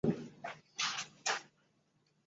顺天乡试第四十一名。